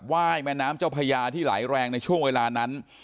ว่ายแม่น้ำเจ้าพญาที่ไหลแรงในช่วงเวลานั้น